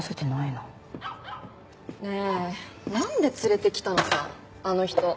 ねえなんで連れてきたのさあの人。